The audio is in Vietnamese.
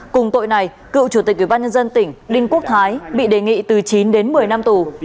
cùng tội này cựu chủ tịch ubnd tỉnh đinh quốc thái bị đề nghị từ chín đến một mươi năm tù